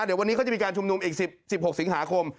เดี๋ยววันนี้เขาจะมีการชุมนุมอีก๑๖สิงหาคม